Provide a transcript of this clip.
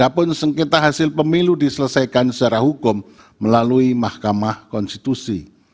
apapun sengketa hasil pemilu diselesaikan secara hukum melalui mahkamah konstitusi